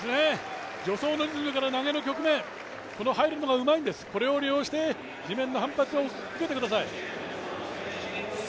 助走のリズムから投げの局面、この入るのがうまいです、これを利用して地面の反発を受けてください。